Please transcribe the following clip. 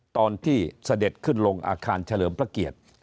เสด็จขึ้นลงอาคารเฉลิมพระเกียรติ